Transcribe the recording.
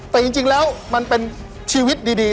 แต่จริงแล้วมันเป็นชีวิตดี